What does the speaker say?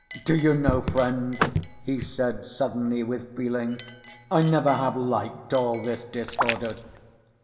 Do you know, friend," he said suddenly, with feeling, "I never have liked all this disorder."